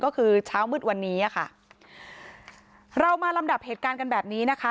ก็คือเช้ามืดวันนี้อ่ะค่ะเรามาลำดับเหตุการณ์กันแบบนี้นะคะ